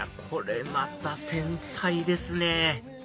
これまた繊細ですね！